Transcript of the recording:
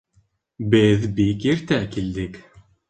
Беҙ бик иртә килдек.